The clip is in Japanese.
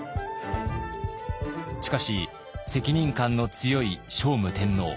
しかし責任感の強い聖武天皇。